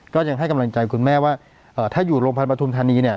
ก็ยังให้กำลังใจคุณแม่ว่าถ้าอยู่โรงพยาบาลประทุมธานีเนี่ย